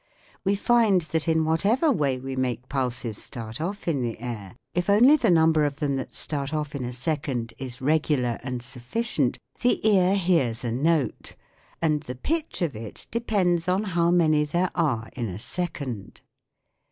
We find that in whatever, way we make pulses start off in the air, if only the number of them that start off in a second is regular and sufficient, the ear hears a note ; and the pitch of it depends on how many there are in a second.